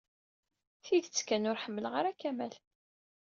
Tidet kan, ur ḥemmleɣ ara Kamal.